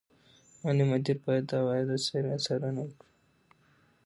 مالي مدیر باید د عوایدو څارنه وکړي.